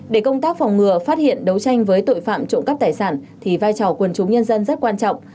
để công tác phòng ngừa phát hiện đấu tranh với tội phạm trộm cắp tài sản thì vai trò quần chúng nhân dân rất quan trọng